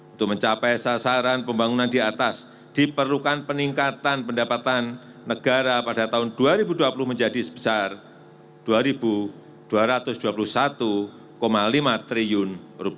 untuk mencapai sasaran pembangunan di atas diperlukan peningkatan pendapatan negara pada tahun dua ribu dua puluh menjadi sebesar rp dua dua ratus dua puluh satu lima triliun